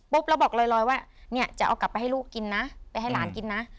ปุ๊บแล้วบอกลอยว่าจะเอากลับไปให้ลูกนนะเป็นให้หลานกินนะ